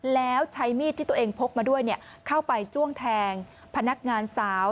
แล้วใช้มีดที่ตัวเองพกมาด้วยเข้าไปจ้วงแทงพนักงานสาว